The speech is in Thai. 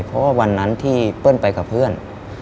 เพราะว่าวันนั้นที่เปิ้ลไปกับเพื่อน